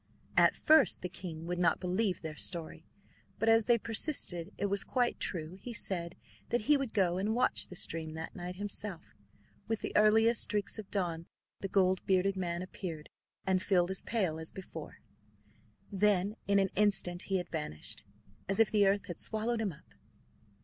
At first the king would not believe their story, but as they persisted it was quite true, he said that he would go and watch the stream that night himself. With the earliest streaks of dawn the gold bearded man appeared, and filled his pail as before. Then in an instant he had vanished, as if the earth had swallowed him up.